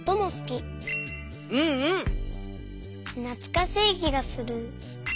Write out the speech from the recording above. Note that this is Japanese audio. なつかしいきがする。